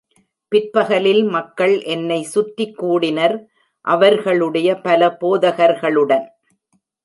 பிற்பகலில் மக்கள் என்னை சுற்றி கூடினர், அவர்களுடைய பல போதகர்களுடன்.